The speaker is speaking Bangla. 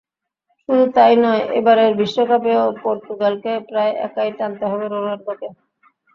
শুধু তা-ই নয়, এবারের বিশ্বকাপেও পর্তুগালকে প্রায় একাই টানতে হবে রোনালদোকে।